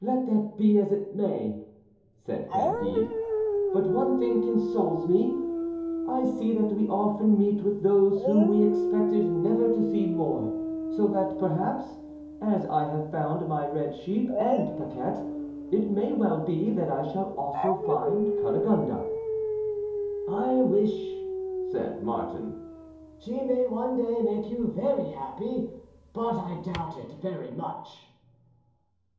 "Let that be as it may," said Candide, "but one thing consoles me. I see that we often meet with those whom we expected never to see more; so that, perhaps, as I have found my red sheep and Paquette, it may well be that I shall also find Cunegonde." "I wish," said Martin, "she may one day make you very happy; but I doubt it very much."